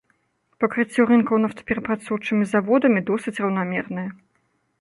Пакрыццё рынкаў нафтаперапрацоўчымі заводамі досыць раўнамернае.